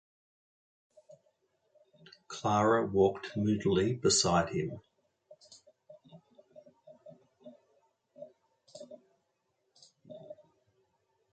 Clara walked moodily beside him.